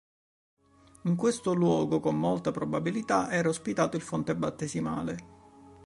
In questo luogo, con molta probabilità, era ospitato il Fonte Battesimale.